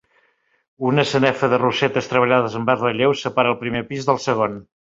Una sanefa de rosetes treballades en baix relleu separa el primer pis del segon.